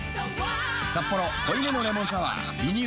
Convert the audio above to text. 「サッポロ濃いめのレモンサワー」リニューアル